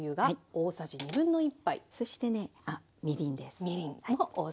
そしてねみりんです。